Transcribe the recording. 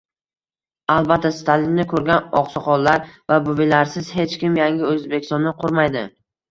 Albatta, Stalinni ko'rgan oqsoqollar va buvilarsiz hech kim yangi O'zbekistonni qurmaydi